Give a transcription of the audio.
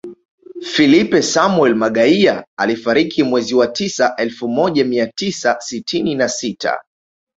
Filipe Samuel Magaia alifariki mwezi wa tisa elfu moja mia tisa sitini na sita